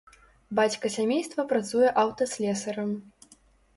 Бацька сямейства працуе аўтаслесарам.